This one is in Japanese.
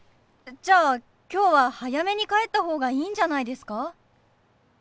じゃあ今日は早めに帰った方がいいんじゃないですか？